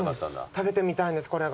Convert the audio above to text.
食べてみたいんですこれが。